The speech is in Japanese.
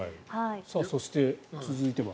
そして、続いては。